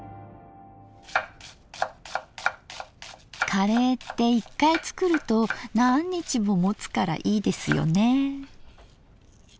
カレーって１回作ると何日ももつからいいですよね。